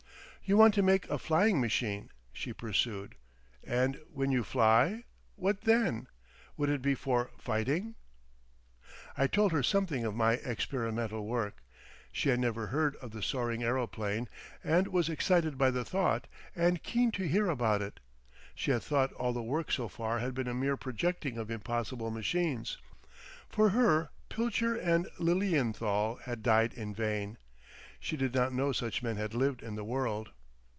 "You want to make a flying machine," she pursued, "and when you fly? What then? Would it be for fighting?" I told her something of my experimental work. She had never heard of the soaring aeroplane, and was excited by the thought, and keen to hear about it. She had thought all the work so far had been a mere projecting of impossible machines. For her Pilcher and Lilienthal had died in vain. She did not know such men had lived in the world.